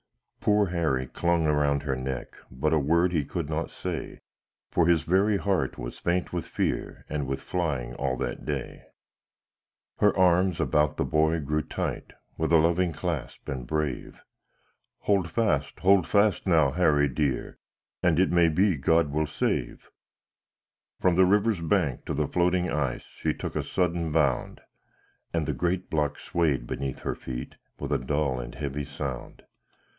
Poor Harry clung around her neck, But a word he could not say, For his very heart was faint with fear, And with flying all that day. Her arms about the boy grew tight, With a loving clasp, and brave; "Hold fast! Hold fast, now, Harry dear, And it may be God will save." From the river's bank to the floating ice She took a sudden bound, And the great block swayed beneath her feet With a dull and heavy sound.